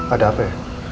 ada apa ya